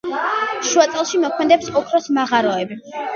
შუაწელში მოქმედებს ოქროს მაღაროები.